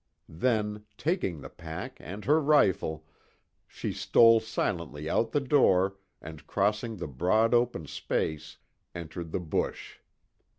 Then, taking the pack, and her rifle, she stole silently out the door and crossing the broad open space, entered the bush.